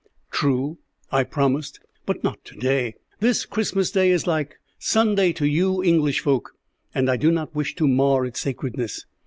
"True, I promised, but not to day. This Christmas Day is like Sunday to you English folk, and I do not wish to mar its sacredness."